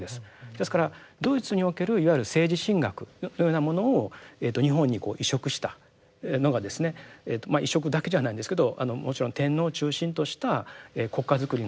ですからドイツにおけるいわゆる政治神学というようなものを日本にこう移植したのがですねまあ移植だけじゃないんですけどもちろん天皇を中心とした国家づくりのためにですね